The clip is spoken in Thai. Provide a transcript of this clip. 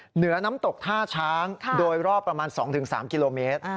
เหนือน้ำตกท่าช้างโดยรอบประมาณ๒๓กิโลเมตร